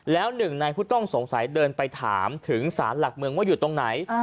แล้วหนึ่งในผู้ต้องสงสัยเดินไปถามถึงสารหลักเมืองว่าอยู่ตรงไหน